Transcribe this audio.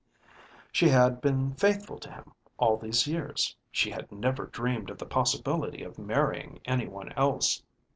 She had been faithful to him all these years. She had never dreamed of the possibility of marrying any one else.